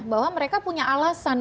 bahwa mereka punya alasan